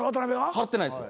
払ってないですよ。